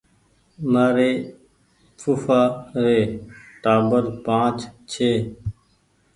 مآري ڦوڦآ ري ٽآٻر پآنچ ڇي